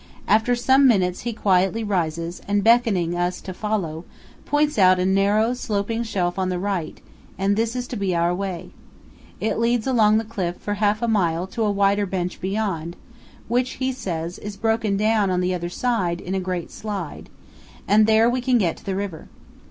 After some minutes he quietly rises and, beckoning us to follow, points out a narrow sloping shelf on the right, and this is to be our way. It leads along the cliff for half a mile to a wider bench beyond, which, he says, is broken down on the other side in a great slide, and there we can get to the river.